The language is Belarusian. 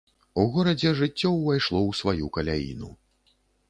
У горадзе жыццё ўвайшло ў сваю каляіну.